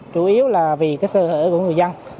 chủ yếu là vì cái sơ hở của người dân